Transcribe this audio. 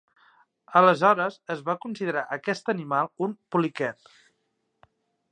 Aleshores es va considerar aquest animal un poliquet.